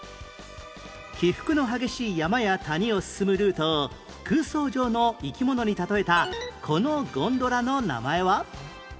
起伏の激しい山や谷を進むルートを空想上の生き物に例えたこのゴンドラの名前は？